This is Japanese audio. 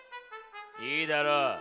いいだろう。